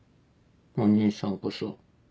お義兄さんこそ。